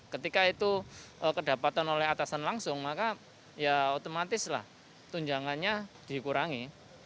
ketika itu kedapatan oleh atasan langsung maka ya otomatis lah tunjangannya dikurangi